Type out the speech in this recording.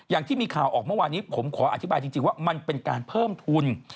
อย่างที่มีข่าวออกเมื่อวานี้ผมขออธิบายจริงว่ามันเป็นการเพิ่มทุน